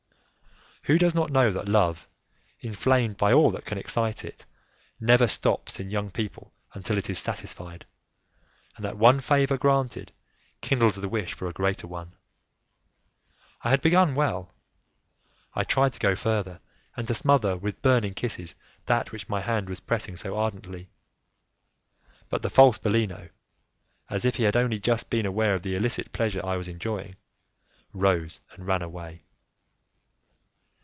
Who does not know that love, inflamed by all that can excite it, never stops in young people until it is satisfied, and that one favour granted kindles the wish for a greater one? I had begun well, I tried to go further and to smother with burning kisses that which my hand was pressing so ardently, but the false Bellino, as if he had only just been aware of the illicit pleasure I was enjoying, rose and ran away.